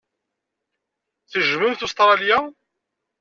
Tejjmemt Ustṛalya?